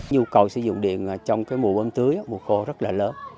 nhu cầu sử dụng điện trong mùa quân tưới mùa khô rất là lớn